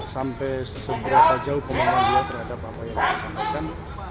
sampai seberapa jauh pemula dia terhadap apa yang disampaikan